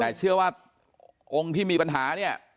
แต่เชื่อว่าองค์ที่มีปัญหาเนี่ย